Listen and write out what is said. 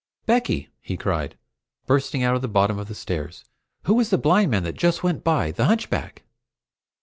"Becky!" he cried, bursting out at the bottom of the stairs, "Who is the blind man that just went by the hunchback?"